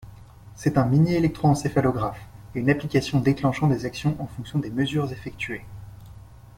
C’est un mini-électro-encéphalographe, et une application déclenchant des actions en fonction des mesures effectuées.